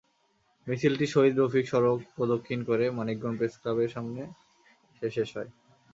মিছিলটি শহীদ রফিক সড়ক প্রদক্ষিণ করে মানিকগঞ্জ প্রেসক্লাবের সামনে এসে শেষ হয়।